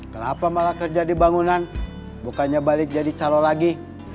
kenapa malah kerja di bangunan bukannya balik jadi calon lagi